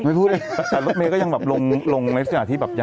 รถเมฆก็ยังลงในสถานที่